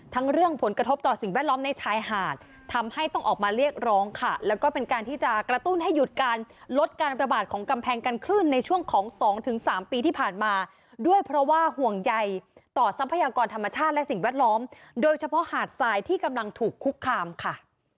เรื่องผลกระทบต่อสิ่งแวดล้อมในชายหาดทำให้ต้องออกมาเรียกร้องค่ะแล้วก็เป็นการที่จะกระตุ้นให้หยุดการลดการระบาดของกำแพงกันคลื่นในช่วงของสองถึงสามปีที่ผ่านมาด้วยเพราะว่าห่วงใยต่อทรัพยากรธรรมชาติและสิ่งแวดล้อมโดยเฉพาะหาดทรายที่กำลังถูกคุกคามค่ะ